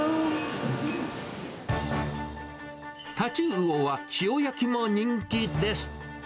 タチウオは塩焼きも人気です。